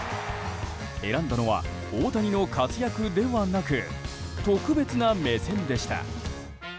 選んだのは大谷の活躍ではなく特別な目線でした。